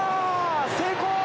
成功！